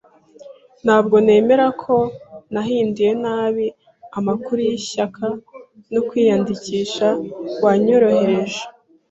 Ntabwo nemera ko nahinduye nabi amakuru yishyaka no kwiyandikisha wanyoherereje.